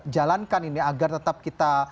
jalankan ini agar tetap kita